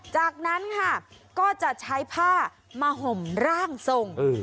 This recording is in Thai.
จากนั้นค่ะก็จะใช้ผ้ามาห่มร่างทรง